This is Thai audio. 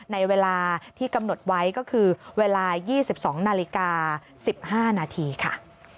ในเวลาที่กำหนดไว้ก็คือเวลา๒๒นาฬิกา๑๕นาทีค่ะ